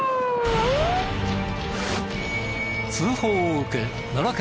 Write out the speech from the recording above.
通報を受け奈良県